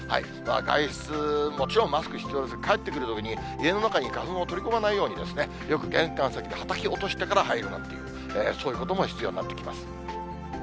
外出、もちろんマスクしてますが、帰ってくるときに家の中に花粉を取り込まないようにですね、よく玄関先で、はたき落としてから入るなんていう、そういうことも必要になってきます。